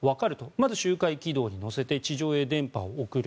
まず周回軌道に乗せて地上に電波を送る。